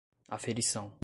aferição